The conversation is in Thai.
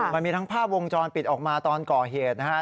มันมีทั้งภาพวงจรปิดออกมาตอนก่อเหตุนะฮะ